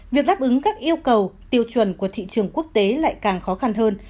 việc đáp ứng các yêu cầu tiêu chuẩn của thị trường quốc tế lại càng khó khăn hơn